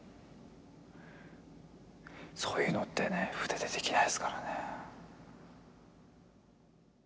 そういうのってね筆でできないですからね。